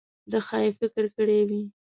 ده ښايي فکر کړی وي.